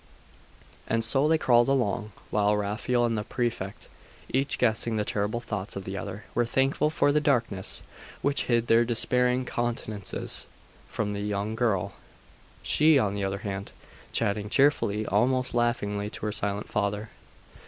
And so they crawled along, while Raphael and the Prefect, each guessing the terrible thoughts of the other, were thankful for the darkness which hid their despairing countenances from the young girl; she, on the other hand, chatting cheerfully, almost laughingly, to her silent father.